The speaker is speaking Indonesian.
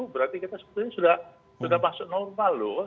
berarti kita sebetulnya sudah masuk normal loh